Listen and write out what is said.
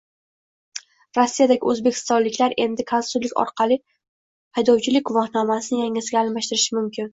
Rossiyadagi o‘zbekistonliklar endi konsullik orqali haydovchilik guvohnomasini yangisiga almashtirishi mumkin